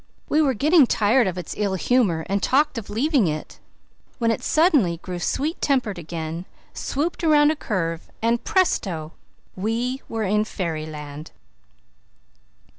We were getting tired of its ill humour and talked of leaving it, when it suddenly grew sweet tempered again, swooped around a curve and presto, we were in fairyland.